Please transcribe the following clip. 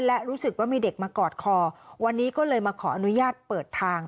และรู้สึกว่ามีเด็กมากอดคอวันนี้ก็เลยมาขออนุญาตเปิดทาง